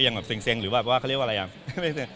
แบบเซ็งหรือแบบว่าเขาเรียกว่าอะไรอ่ะ